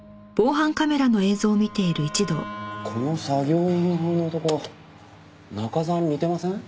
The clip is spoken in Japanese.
この作業員風の男中沢に似てません？